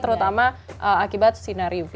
terutama akibat sinar uv